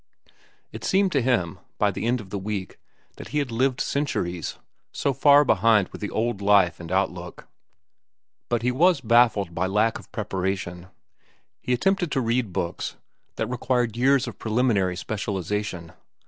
It seemed to him, by the end of the week, that he had lived centuries, so far behind were the old life and outlook. But he was baffled by lack of preparation. He attempted to read books that required years of preliminary specialization.